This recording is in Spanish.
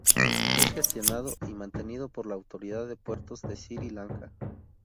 Es gestionado y mantenido por la autoridad de puertos de Sri Lanka.